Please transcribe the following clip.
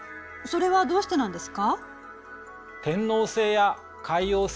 それはどうしてなんですか？